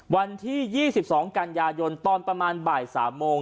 วันที่๒๒กันยายนตอนประมาณบ่าย๓โมง